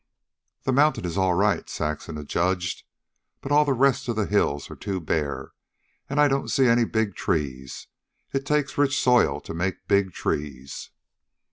"The mountain is all right," Saxon adjudged. "But all the rest of the hills are too bare. And I don't see any big trees. It takes rich soil to make big trees."